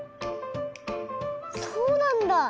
そうなんだ！